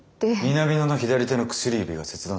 南野の左手の薬指が切断されていた。